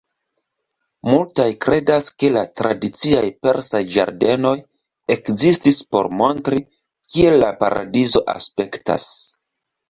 Multaj kredas ke la tradiciaj persaj ĝardenoj ekestis por montri kiel la paradizo aspektas.